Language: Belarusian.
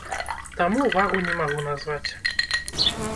Таму вагу не магу назваць.